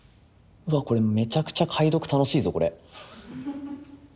うわこれめちゃくちゃ解読楽しいぞこれ。